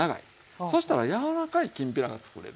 そしたら柔らかいきんぴらがつくれる。